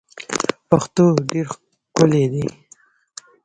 پښتو ډیر ښکلی دی.